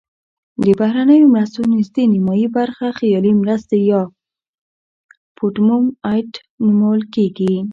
د بهرنیو مرستو نزدې نیمایي برخه خیالي مرستې یا phantom aid نومول کیږي.